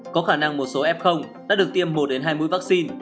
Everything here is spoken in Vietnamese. có khả năng một số f đã được tiêm một hai mươi vaccine